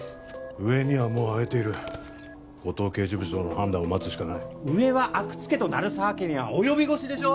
上にはもう上げている五嶋刑事部長の判断を待つしかない上は阿久津家と鳴沢家には及び腰でしょう？